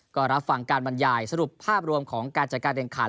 ก็รับฟังการบรรยายสรุปภาพรวมของการจัดการแข่งขัน